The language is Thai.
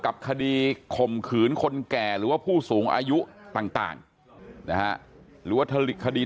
คดีข่มขืนคนแก่หรือว่าผู้สูงอายุต่างหรือว่าทะคดี